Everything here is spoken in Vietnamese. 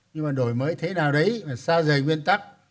nhưng mà đổi mới thế nào đấy mà xa rời nguyên tắc